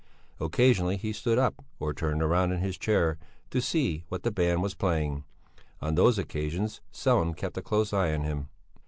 Occasionally he stood up or turned round in his chair to "see what the band was playing." On those occasions Sellén kept a close eye on him.